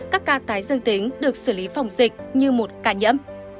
các ca tái dương tính được xử lý phòng dịch như một ca nhiễm